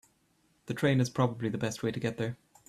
The train is probably the best way to get there.